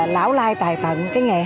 lão lai tài tận cái nghề hát